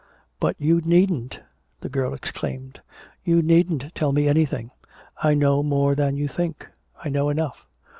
"But you needn't!" the girl exclaimed. "You needn't tell me anything! I know more than you think I know enough!"